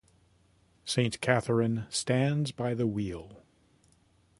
Saint Catherine stands by the wheel.